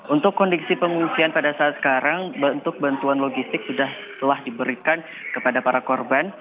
untuk kondisi pengungsian pada saat sekarang bentuk bantuan logistik sudah telah diberikan kepada para korban